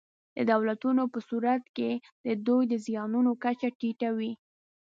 د دولتونو په صورت کې د دوی د زیانونو کچه ټیټه وي.